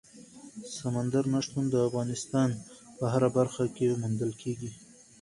سمندر نه شتون د افغانستان په هره برخه کې موندل کېږي.